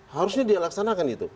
harusnya dia laksanakan itu